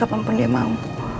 kapanpun aku mau